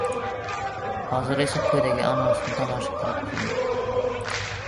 Hozir esa quyidagi anonsni tomosha qilib turing...